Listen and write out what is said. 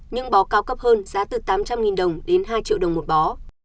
nhưng bó cao cấp hơn giá từ tám trăm linh đồng đến hai triệu đồng một bó